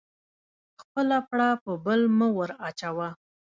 خپله پړه په بل مه ور اچوه